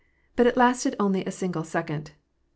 But it lasted only a single second.